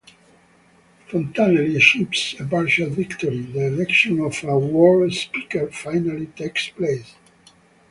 Fontanelli achieves a partial victory: The election of a "world speaker" finally takes place.